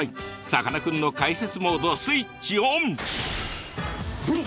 さかなクンの解説モードスイッチオン！